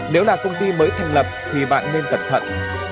nếu là công ty mới thành lập thì bạn nên cẩn thận